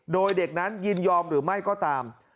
โดยเด็กนั้นยินยอมหรือไม่ก็ตาม